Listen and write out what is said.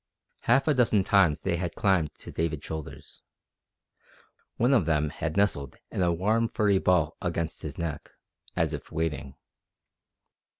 Half a dozen times they had climbed to David's shoulders. One of them had nestled in a warm furry ball against his neck, as if waiting.